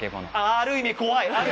ある意味怖い！